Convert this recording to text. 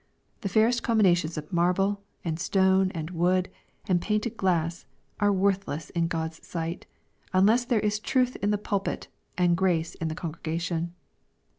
The fairest combinations of marble, and stone and wood, and painted glass, are worthless in God's sight, unless there is truth in the pulpit and grace in the con gregation.